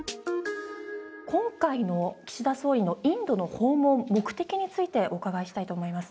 今回の岸田総理のインドの訪問、目的についてお伺いしたいと思います。